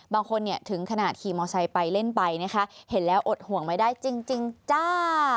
บางคนเนี่ยถึงขนาดขี่มอไซค์ไปเล่นไปนะคะเห็นแล้วอดห่วงไม่ได้จริงจ้า